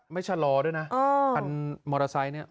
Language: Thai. ชะลอด้วยนะคันมอเตอร์ไซค์เนี่ย